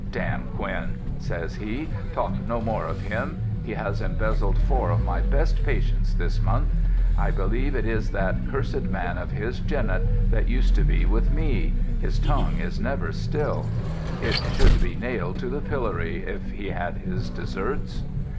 'Damn Quinn,' says he; 'talk no more of him: he has embezzled four of my best patients this month; I believe it is that cursed man of his, Jennett, that used to be with me, his tongue is never still; it should be nailed to the pillory if he had his deserts.'